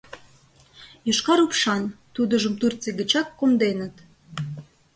Йошкар упшан — тудыжым Турций гычак конденыт.